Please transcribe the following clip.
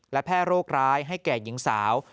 และแพร่โรคร้ายให้แก่หญิงสาว